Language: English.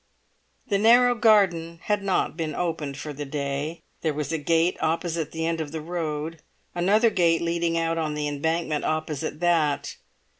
The narrow garden had not been opened for the day. There was a gate opposite the end of the road, another gate leading out on the Embankment opposite that.